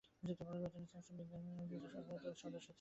তিনি স্যাক্সন বিজ্ঞান একাডেমিরও সদস্য ছিলেন।